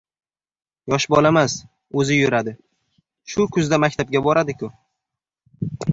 — Yosh bolamas, o‘zi yuradi. Shu kuzda maktabga boradi-ku.